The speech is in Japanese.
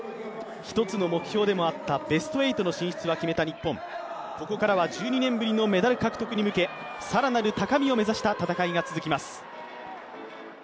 一つの目標でもあったベスト８の進出は決めた日本、ここからは１２年ぶりのメダル獲得に向け更なる高みを目指した戦いが続きます。